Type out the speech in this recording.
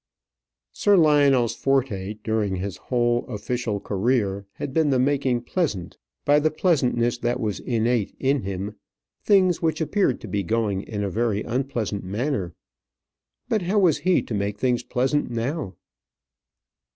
Sir Lionel's forte during his whole official career had been the making pleasant by the pleasantness that was innate in him things which appeared to be going in a very unpleasant manner. But how was he to make things pleasant now?